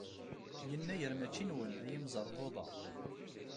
Yennayer maci nwen, a imẓerbeḍḍa.